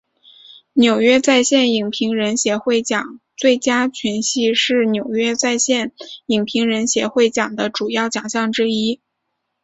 纽约在线影评人协会奖最佳群戏是纽约在线影评人协会奖的主要奖项之一。